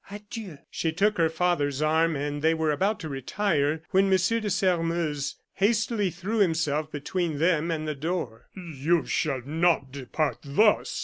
Adieu!" She took her father's arm, and they were about to retire, when M. de Sairmeuse hastily threw himself between them and the door. "You shall not depart thus!"